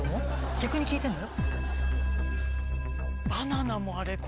逆に聞いてるのよ。